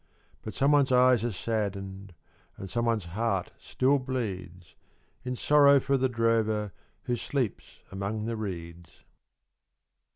But someone's eyes are saddened, And someone's heart still bleeds, In sorrow for the drover Who sleeps among the reeds.